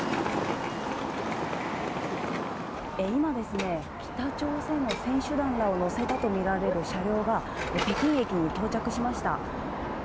今、北朝鮮の選手団らを乗せたと見られる車両が、北京駅に到着しまし